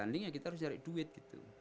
mendingnya kita harus nyari duit gitu